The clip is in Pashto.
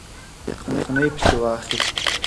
یخنۍ پسې واخیست.